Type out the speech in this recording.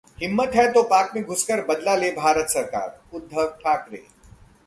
हिम्मत है तो पाक में घुसकर बदला ले भारत सरकार: उद्धव ठाकरे